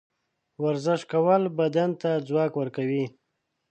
ورزش کول بدن ته ځواک ورکوي.